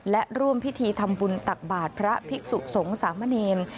และร่วมพิธีทำบุญตักบาทพระภิกษุสงสามเณร